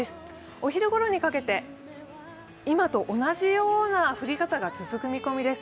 お昼ごろにかけて今と同じような降り方が続く見込みです。